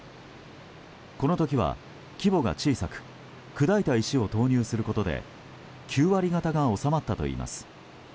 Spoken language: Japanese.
この時は規模が小さく砕いた石を投入することで９割方が収まったといいます。